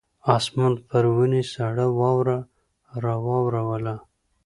اسمان پر ونې سړه واوره راووروله.